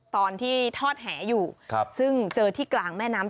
ตอนที่ทอดแหอยู่ซึ่งเจอที่กลางแม่น้ำ